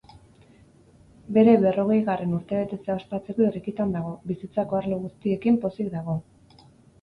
Bere berrogehigarren urtebetetzea ospatzeko irrikitan dago, bizitzako arlo guztiekin pozik dago.